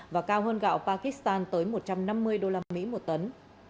và cao hơn gạo pakistan tới một trăm năm mươi usd một tấn